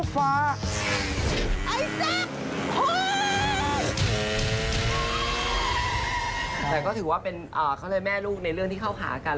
แต่ก็ถือว่าเป็นเขาเลยแม่ลูกในเรื่องที่เข้าขากัน